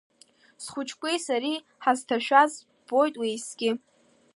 Схәыҷқәеи сареи ҳазҭашәаз ббоит уеизгьы…